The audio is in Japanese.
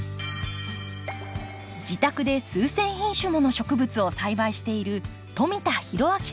自宅で数千品種もの植物を栽培している富田裕明さん。